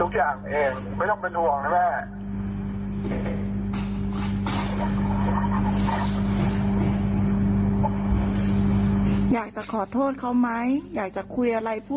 โอเคค่ะเดี๋ยวถ้าเกิดว่ามีอะไรเพิ่มเติมหรือว่าหน่อยจะมันเต้นช้าลงมากเนี่ยค่ะ